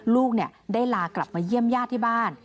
ลูกเนี่ยได้ลากลับเยี่ยมญาติที่บ้าน